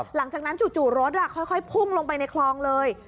หลังจากนั้นจู่รถอ่ะค่อยพุ่งลงไปในคลองเลย